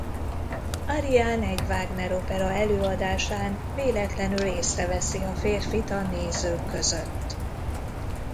Ariane egy Wagner-opera előadásán véletlenül észreveszi a férfit a nézők között.